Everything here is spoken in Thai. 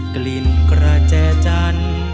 กลิ่นกระแจจัน